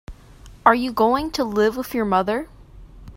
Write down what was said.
Are you going to live with your mother?